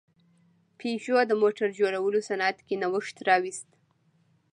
پيژو د موټر جوړولو صنعت کې نوښت راوست.